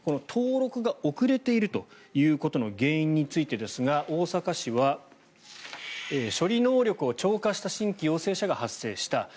登録が遅れているということの原因についてですが大阪市は、処理能力を超過した新規陽性者が発生した。